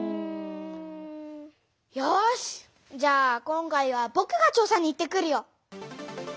よしじゃあ今回はぼくが調さに行ってくるよ！